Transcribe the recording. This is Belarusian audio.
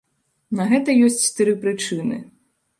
На гэта ёсць тры прычыны.